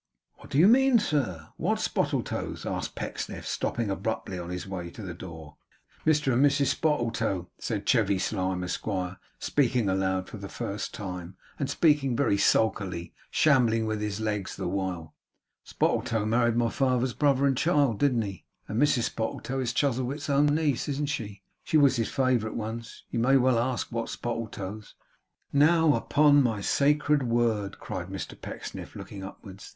'What do you mean, sir? what Spottletoes?' asked Pecksniff, stopping abruptly on his way to the door. 'Mr and Mrs Spottletoe,' said Chevy Slyme, Esquire, speaking aloud for the first time, and speaking very sulkily; shambling with his legs the while. 'Spottletoe married my father's brother's child, didn't he? And Mrs Spottletoe is Chuzzlewit's own niece, isn't she? She was his favourite once. You may well ask what Spottletoes.' 'Now upon my sacred word!' cried Mr Pecksniff, looking upwards.